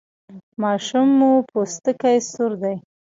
ماشوم مو پوستکی سور دی؟